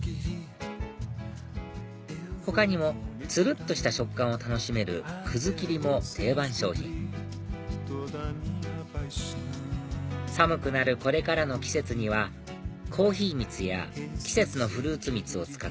他にもつるっとした食感を楽しめるきりも定番商品寒くなるこれからの季節にはコーヒーみつや季節のフルーツみつを使っ